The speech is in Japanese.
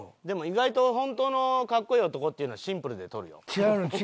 でも意外と本当のかっこいい男っていうのはシンプルで取るよ。